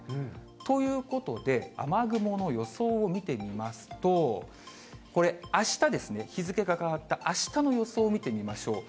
ということで、雨雲の予想を見てみますと、これ、あしたですね、日付が変わったあしたの予想を見てみましょう。